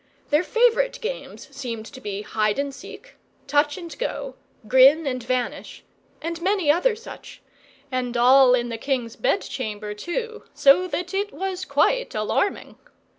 Their favourite games seemed to be Hide and Seek; Touch and Go; Grin and Vanish; and many other such; and all in the king's bed chamber, too; so that it was quite alarming.